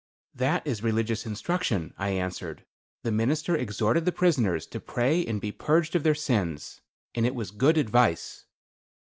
"That is religious instruction;" I answered. "The minister exhorted the prisoners to pray and be purged of their sins. And it was good advice."